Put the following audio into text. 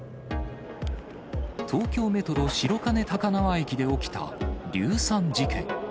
東京メトロ白金高輪駅で起きた硫酸事件。